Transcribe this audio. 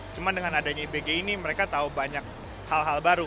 cuma dengan adanya ibg ini mereka tahu banyak hal hal baru